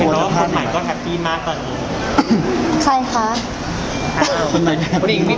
เราก็ว่าคนใหม่ก็สาปันมากไป